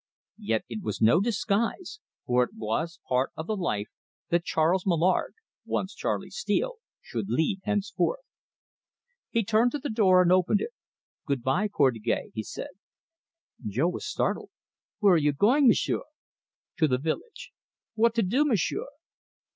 Yet it was no disguise, for it was part of the life that Charles Mallard, once Charley Steele, should lead henceforth. He turned to the door and opened it. "Good bye, Portugais," he said. Jo was startled. "Where are you going, M'sieu'?" "To the village." "What to do, M'sieu'?"